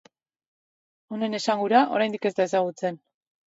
Honen esangura, oraindik ez da ezagutzen.